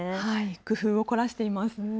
工夫を凝らしています。